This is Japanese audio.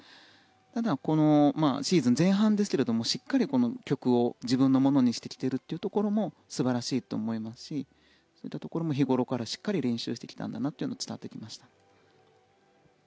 ただ、シーズン前半ですがしっかり曲を自分のものにしてきているというところも素晴らしいと思いますしこういったところも日頃からしっかり練習してきたんだなっていうのが伝わってきました。